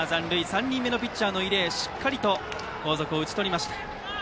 ３人目のピッチャーの伊禮しっかりと後続を打ち取りました。